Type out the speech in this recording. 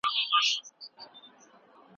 د کډوالو ستونزي باید په جدي توګه وڅېړل سي.